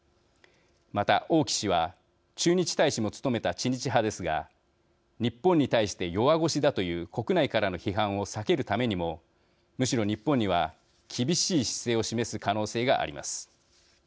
また、王毅氏は駐日大使も務めた知日派ですが日本に対して弱腰だという国内からの批判を避けるためにもむしろ日本には厳しい姿勢を示す可能性があります。